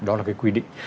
đó là cái quy định